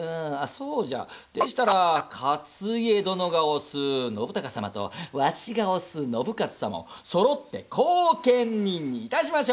そうじゃでしたら勝家殿が推す信孝様とワシが推す信雄様をそろって後見人にいたしましょう！